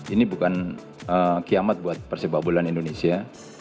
ini bukan kiamat buat persebab bola indonesia